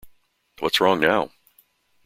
What's wrong now?